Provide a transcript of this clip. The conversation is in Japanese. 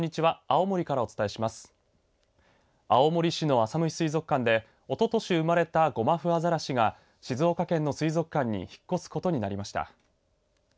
青森市の浅虫水族館でおととし生まれたゴマフアザラシが静岡県の水族館に引っ越すことになりました。